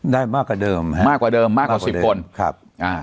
ได้มากกว่าเดิมฮะมากกว่าเดิมมากกว่าสิบคนครับอ่า